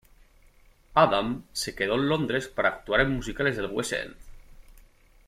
Adam se quedó en Londres para actuar en musicales del West End.